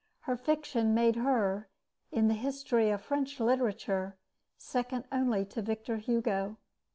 Her fiction made her, in the history of French literature, second only to Victor Hugo.